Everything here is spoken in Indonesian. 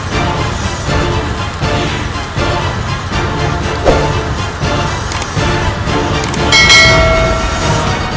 kau tidak akan tanggung datangnya